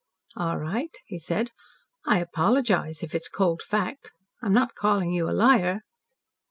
"All right," he said. "I apologise if it's cold fact. I'm not calling you a liar."